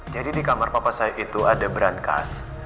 jadi di kamar papa saya itu ada beran kas